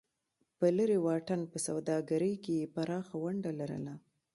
په لرې واټن په سوداګرۍ کې یې پراخه ونډه لرله.